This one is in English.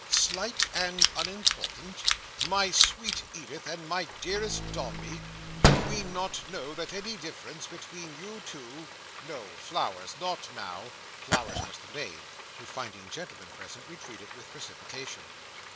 Slight and unimportant! My sweetest Edith, and my dearest Dombey, do we not know that any difference between you two—No, Flowers; not now." Flowers was the maid, who, finding gentlemen present, retreated with precipitation.